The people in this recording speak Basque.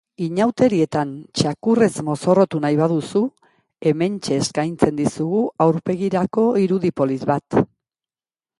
Inauterietan txakurrez mozorrotu nahi baduzu, hementxe eskaintzen dizugu aurpegirako irudi polit bat.